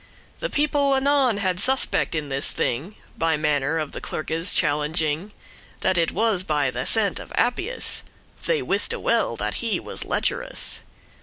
The people anon had suspect* in this thing, *suspicion By manner of the clerke's challenging, That it was by th'assent of Appius; They wiste well that he was lecherous.